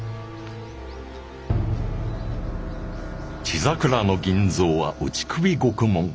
血桜の銀蔵は打ち首獄門